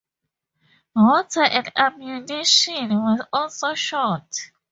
Water and ammunition were also short.